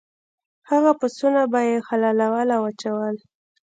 هغه پسونه به یې حلالول او وچول.